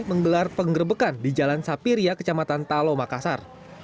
menggelar penggerbekan di jalan sapiria kecamatan talo makassar